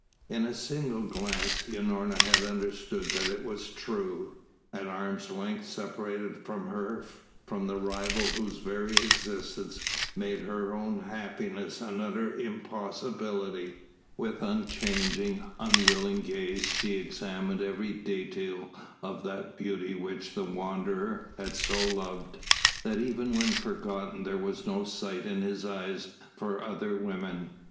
In a single glance Unorna had understood that it was true. An arm's length separated her from the rival whose very existence made her own happiness an utter impossibility. With unchanging, unwilling gaze she examined every detail of that beauty which the Wanderer had so loved, that even when forgotten there was no sight in his eyes for other women.